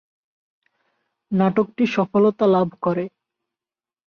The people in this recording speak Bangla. নাটকটি সফলতা লাভ করে।